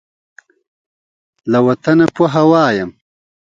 له وطنه په هوا یم